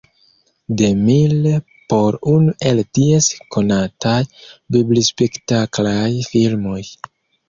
DeMille por unu el ties konataj biblispektaklaj filmoj.